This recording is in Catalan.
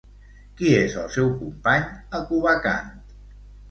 Qui és el seu company a Cubacant?